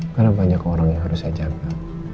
karena banyak orang yang harus saya jaga